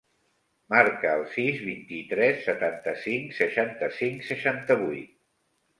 Marca el sis, vint-i-tres, setanta-cinc, seixanta-cinc, seixanta-vuit.